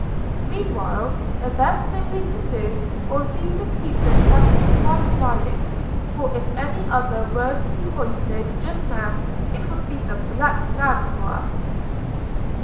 Meanwhile, the best thing we can do will be to keep the Frate's flag flying, for if any other were to be hoisted just now it would be a black flag for us."